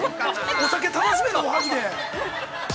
◆お酒楽しむの、おはぎで。